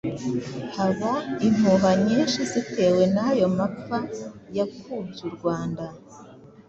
Haba impuha nyinshi zitewe n’ayo mapfa yakubye u Rwanda.